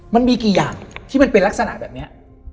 มันมีกี่อย่างที่มันเป็นลักษณะแบบนี้